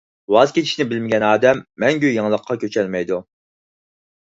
ۋاز كېچىشنى بىلمىگەن ئادەم مەڭگۈ يېڭىلىققا كۆچەلمەيدۇ.